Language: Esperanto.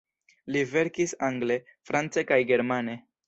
Li verkis angle, france kaj germane.